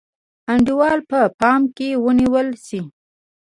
انډول په پام کې ونیول شي.